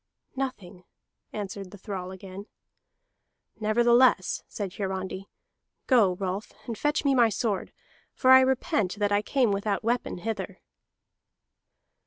"Nothing," answered the thrall again. "Nevertheless," said Hiarandi, "go, Rolf, and fetch me my sword; for I repent that I came without weapon hither."